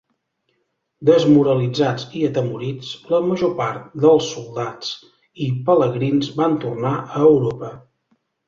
Desmoralitzats i atemorits, la major part dels soldats i pelegrins van tornar a Europa.